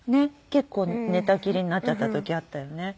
結構寝たきりになっちゃった時あったよね。